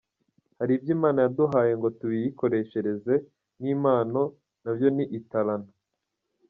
Hari ibyo Imana yaduhaye ngo tubiyikoreshereze nk’impano, nabyo ni italanto.